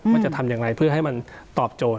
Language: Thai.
ว่าจะทำอย่างไรเพื่อให้มันตอบโจทย